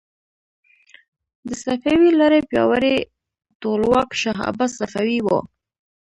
د صفوي لړۍ پیاوړی ټولواک شاه عباس صفوي و.